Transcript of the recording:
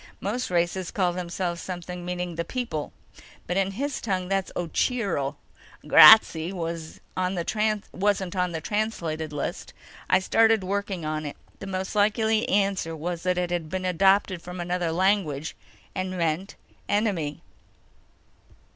Most races call themselves something meaning The People. But in his tongue that's Ocheero. Grazzi wasn't on the translated list. I started working on it. The most likely answer was that it had been adopted from another language, and meant enemy."